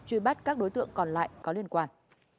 truy bắt các đối tượng còn lại có liên quan